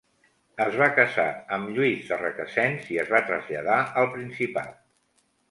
Es va casar amb Lluís de Requesens i es va traslladar al Principat.